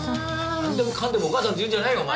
何でもかんでもお母さんって言うんじゃないよお前。